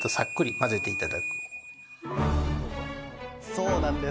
そうなんです。